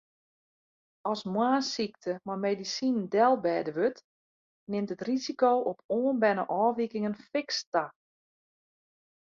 As moarnssykte mei medisinen delbêde wurdt, nimt it risiko op oanberne ôfwikingen fiks ta.